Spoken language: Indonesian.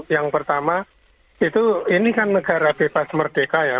yang pertama itu ini kan negara bebas merdeka ya